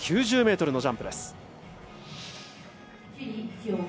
９０ｍのジャンプです。